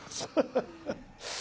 ハハハ。